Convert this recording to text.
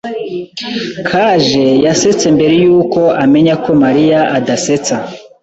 Kaje yasetse mbere yuko amenya ko Mariya adasetsa.